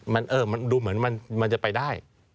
มันดูเหมือนมันจะไปได้